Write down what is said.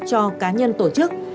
cho cá nhân tổ chức